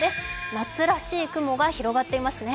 夏らしい雲が広がっていますね。